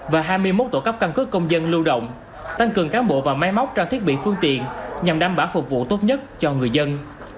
và hai mươi một tổ cấp căn cước công dân lưu động tăng cường cán bộ và máy móc trang thiết bị phương tiện nhằm đảm bảo phục vụ tốt nhất cho người dân